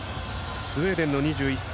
スウェーデンの２１歳